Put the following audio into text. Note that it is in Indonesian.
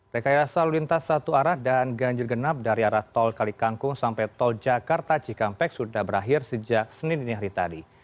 rekayasa lalu lintas satu arah dan ganjil genap dari arah tol kalikangkung sampai tol jakarta cikampek sudah berakhir sejak senin ini hari tadi